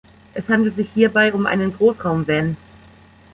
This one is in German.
Es handelt sich hierbei um einen Großraum-Van.